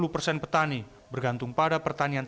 delapan puluh persen petani bergantung pada pertanian rakyat